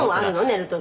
寝る時」